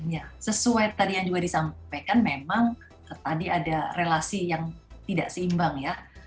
ya sesuai tadi yang juga disampaikan memang tadi ada relasi yang tidak seimbang ya